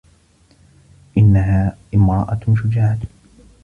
إنّها امرأة شجاعة.